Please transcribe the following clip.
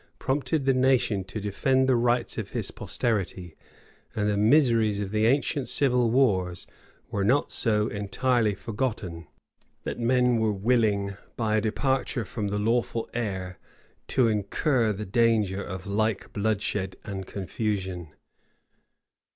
prompted the nation to defend the rights of his posterity; and the miseries of the ancient civil wars were not so entirely forgotten, that men were willing, by a departure from the lawful heir, to incur the danger of like bloodshed and confusion.